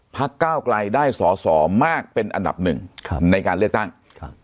พระก้ากลายได้สอสอมากเป็นอันดับหนึ่งครับในการเลือกตั้งครับ